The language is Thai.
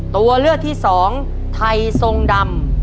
ตัวเลือกที่๒ไททรวงดำ